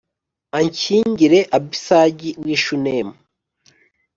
anshyingire Abisagi w’i Shunemu.”